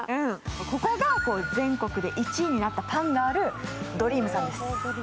ここが全国で１位になったパンのあるドリームさんです。